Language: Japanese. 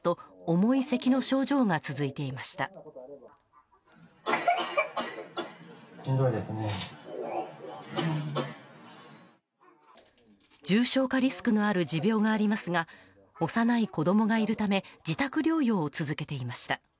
重症化リスクのある持病がありますが、幼い子供がいるため自宅療養を続けていました。